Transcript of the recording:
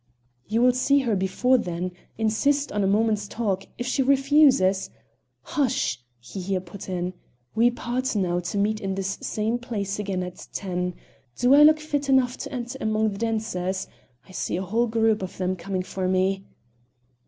"You will see her before then. Insist on a moment's talk. If she refuses " "Hush!" he here put in. "We part now to meet in this same place again at ten. Do I look fit to enter among the dancers? I see a whole group of them coming for me."